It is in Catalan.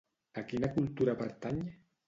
A quina cultura pertany?